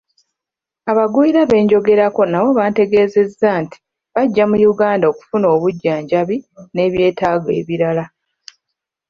Abagwira be njogeddeko nabo bantegeezezza nti bajja mu Uganda okufuna obujjanjabi n'ebyetaago ebirala.